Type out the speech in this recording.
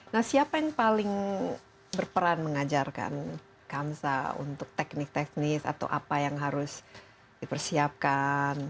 nah siapa yang paling berperan mengajarkan kansa untuk teknik teknis atau apa yang harus dipersiapkan